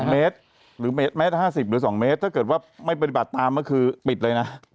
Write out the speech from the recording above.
เมตรหรือเมตร๕๐หรือ๒เมตรถ้าเกิดว่าไม่ปฏิบัติตามก็คือปิดเลยนะ